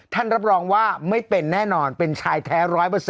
รับรองว่าไม่เป็นแน่นอนเป็นชายแท้๑๐๐